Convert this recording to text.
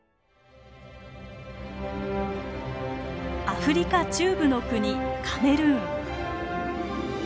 アフリカ中部の国カメルーン。